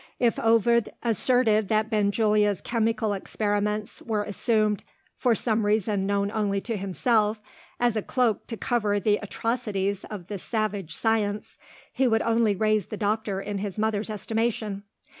If Ovid asserted that Benjulia's chemical experiments were assumed for some reason known only to himself as a cloak to cover the atrocities of the Savage Science, he would only raise the doctor in his mother's estimation.